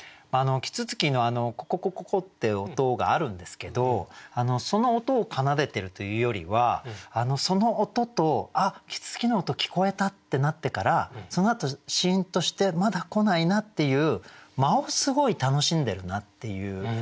啄木鳥のコココココって音があるんですけどその音を奏でてるというよりはその音と「あっ啄木鳥の音聞こえた」ってなってからそのあとシーンとしてまだ来ないなっていう間をすごい楽しんでるなっていう我々がなんですけど。